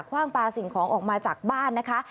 ว่างปลาสิ่งของออกมาจากบ้านนะคะ